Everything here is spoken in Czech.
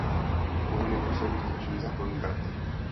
Původně nemuselo mít označení záporný charakter.